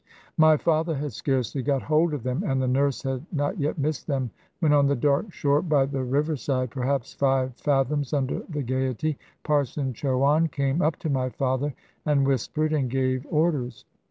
"My father had scarcely got hold of them, and the nurse had not yet missed them, when on the dark shore by the river side, perhaps five fathoms under the gaiety, Parson Chouane came up to my father, and whispered, and gave orders.